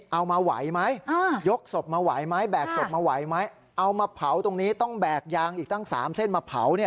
เอามาไหวไหมยกศพมาไหวไหมแบกศพมาไหวไหมเอามาเผาตรงนี้ต้องแบกยางอีกตั้ง๓เส้นมาเผา